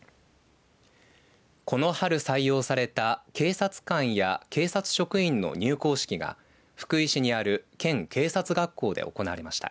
この春採用された警察官や警察職員の入校式が福井市にある県警察学校で行われました。